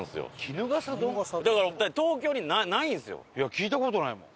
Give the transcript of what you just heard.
聞いた事ないもん。